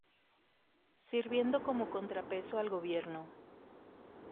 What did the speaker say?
Sirviendo como contrapeso al gobierno.